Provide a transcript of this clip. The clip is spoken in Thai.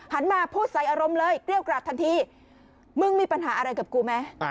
มาพูดใส่อารมณ์เลยเกรี้ยวกราดทันทีมึงมีปัญหาอะไรกับกูไหม